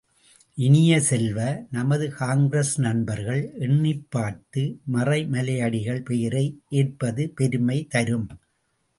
இனிய செல்வ, நமது காங்கிரஸ் நண்பர்கள் எண்ணிப் பார்த்து மறைமலையடிகள் பெயரை ஏற்பது பெருமை தரும்.